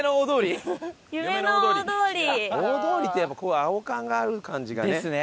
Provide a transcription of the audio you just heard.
大通りっていえば青看がある感じがね。ですね。